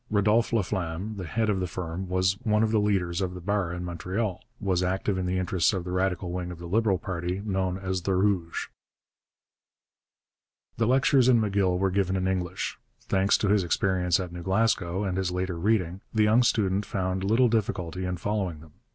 Rodolphe Laflamme, the head of the firm, one of the leaders of the bar in Montreal, was active in the interests of the radical wing of the Liberal party, known as the Rouges. The lectures in M'Gill were given in English. Thanks to his experience at New Glasgow and his later reading, the young student found little difficulty in following them.